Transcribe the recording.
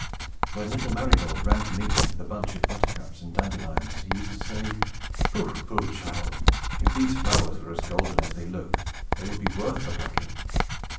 When little Marygold ran to meet him, with a bunch of buttercups and dandelions, he used to say, "Poh, poh, child! If these flowers were as golden as they look, they would be worth the plucking!"